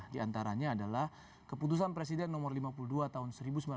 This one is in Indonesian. di antaranya adalah keputusan presiden nomor lima puluh dua tahun seribu sembilan ratus sembilan puluh